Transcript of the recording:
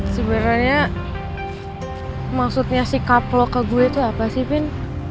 sebenarnya maksudnya sikap lo ke gue itu apa sih pin